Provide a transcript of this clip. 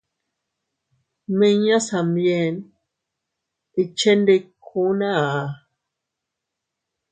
Miña Samyen ikchendikuna.